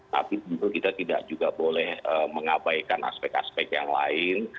tapi kita juga tidak boleh mengabaikan aspek aspek yang lain